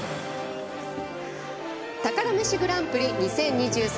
「宝メシグランプリ２０２３」。